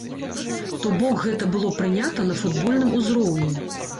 То бок гэта было прынята на футбольным узроўні.